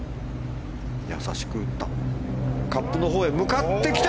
優しく打った。